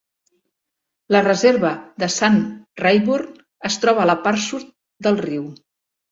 La reserva de Sam Rayburn es troba a la part sud del riu.